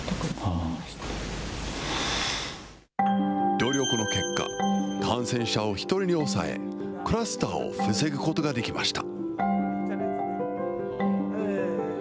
努力の結果、感染者を１人に抑え、クラスターを防ぐことができました。